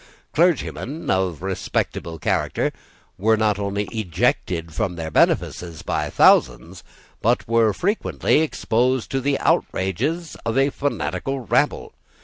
Clergymen of respectable character were not only ejected from their benefices by thousands, but were frequently exposed to the outrages of a fanatical rabble.